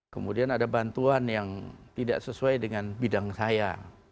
kemudian ada bantuan yang tidak sesuai dengan bidang saya